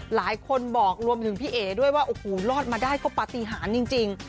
หลายคนบอกรวมถึงพี่เอ๋ด้วยว่าโอ้โหรอดมาได้ก็ปฏิหารจริง